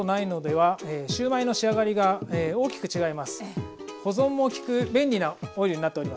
はい。